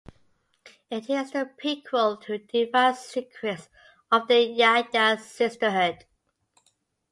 It is the prequel to "Divine Secrets of the Ya-Ya Sisterhood".